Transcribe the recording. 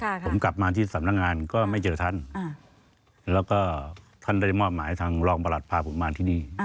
ผมกลับมาที่สำนักงานก็ไม่เจอท่านแล้วก็ท่านได้มอบหมายทางรองประหลัดพาผมมาที่นี่